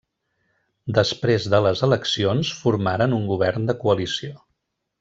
Després de les eleccions, formaren un govern de coalició.